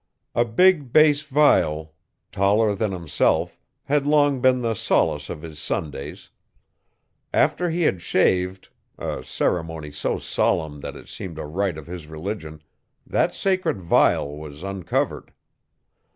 A big bass viol, taller than himself, had long been the solace of his Sundays. After he had shaved a ceremony so solemn that it seemed a rite of his religion that sacred viol was uncovered.